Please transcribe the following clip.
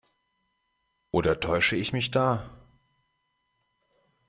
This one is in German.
Oder täusche ich mich da?